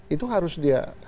itu harus dia